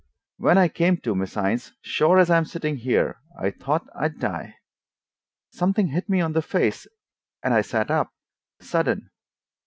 "When I came to, Miss Innes, sure as I'm sittin' here, I thought I'd die. Somethin' hit me on the face, and I set up, sudden.